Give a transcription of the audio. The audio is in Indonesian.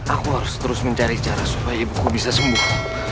aku harus terus mencari cara supaya ibuku bisa sembuh